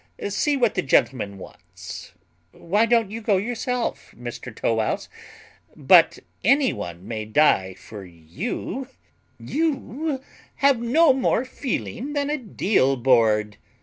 See what the gentleman wants. Why don't you go yourself, Mr Tow wouse? But any one may die for you; you have no more feeling than a deal board.